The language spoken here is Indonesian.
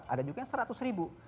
ada juga yang seratus ribu